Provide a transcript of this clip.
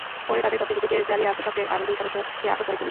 পরে তাঁদের তথ্যের ভিত্তিতে জালিয়াত চক্রের আরও দুই সদস্যকে আটক করে পুলিশ।